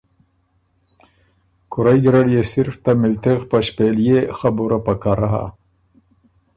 کُورئ ګیرډ يې صرف ته مِلتِغ په ݭپېلئےخبُره پکر هۀ۔